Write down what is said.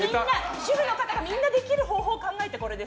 主婦の方がみんなできる方法を考えてこれです。